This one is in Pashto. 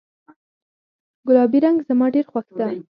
ګلابي رنګ زما ډیر خوښ ده